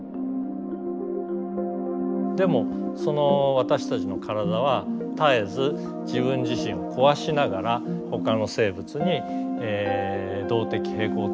でもその私たちの体は絶えず自分自身を壊しながらほかの生物に動的平衡を手渡すという形でですね